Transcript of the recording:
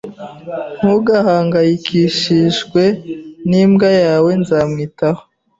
Ntugahangayikishijwe n'imbwa yawe. Nzamwitaho.